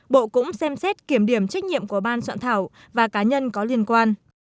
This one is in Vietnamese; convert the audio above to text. bộ cũng xem xét kiểm điểm trách nhiệm của ban soạn thảo và cá nhân có liên quan